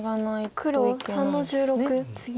黒３の十六ツギ。